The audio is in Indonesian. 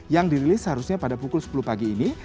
yang dirilis seharusnya pada pukul sepuluh pagi ini